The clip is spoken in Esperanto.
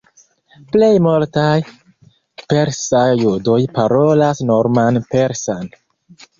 Plej multaj persaj judoj parolas norman persan.